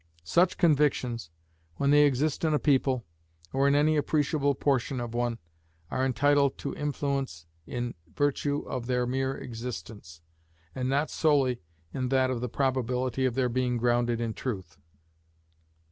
Such convictions, when they exist in a people, or in any appreciable portion of one, are entitled to influence in virtue of their mere existence, and not solely in that of the probability of their being grounded in truth.